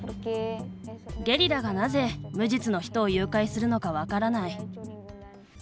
ゲリラがなぜ無実の人を誘拐するのか分からない。